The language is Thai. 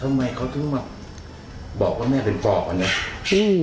ทำไมเขาถึงมาบอกว่าแม่เป็นปอบอันเนี้ยอืม